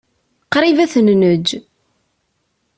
Qṛib ad ten-neǧǧ.